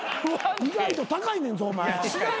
意外と高いねんぞお前。